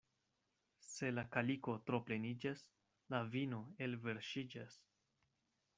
Se la kaliko tro pleniĝas, la vino elverŝiĝas.